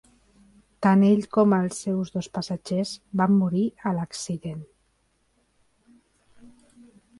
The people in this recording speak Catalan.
Tant ell com els seus dos passatgers van morir a l'accident.